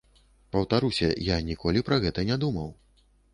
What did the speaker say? Паўтаруся, я ніколі пра гэта не думаў.